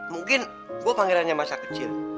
mungkin gue pangerannya masa kecil